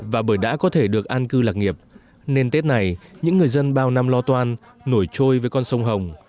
và bởi đã có thể được an cư lạc nghiệp nên tết này những người dân bao năm lo toan nổi trôi với con sông hồng